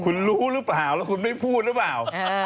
คุณรู้หรือเปล่าแล้วคุณไม่พูดหรือเปล่า